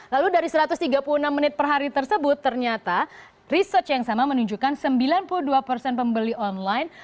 lalu dari satu ratus tiga puluh enam menit per hari tersebut ternyata research yang sama menunjukkan sembilan puluh dua persen pembeli online